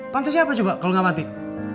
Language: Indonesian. pantasnya apa coba kalau gak pantik